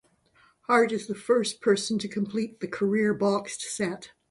Hart is the first person to complete the career boxed set.